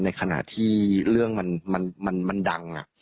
ในขณะที่เรื่องมันมันมันมันดังอ่ะ